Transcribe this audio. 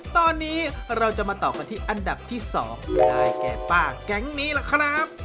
ตอนนี้เราจะมาต่อกันที่อันดับที่๒ได้แก่ป้าแก๊งนี้ล่ะครับ